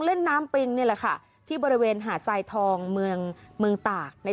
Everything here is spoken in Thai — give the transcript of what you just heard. เล่นน้ำปิงนี่แหละค่ะที่บริเวณหาดทรายทองเมืองเมืองตากใน